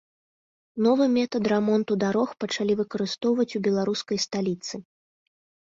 Новы метад рамонту дарог пачалі выкарыстоўваць у беларускай сталіцы.